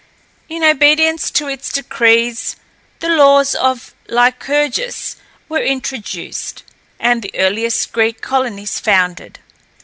In obedience to its decrees, the laws of Lycurgus were introduced, and the earliest Greek colonies founded.